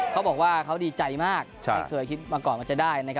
เขาบอกว่าเขาดีใจมากไม่เคยคิดมาก่อนว่าจะได้